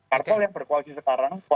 kartel yang berkoalisi sekarang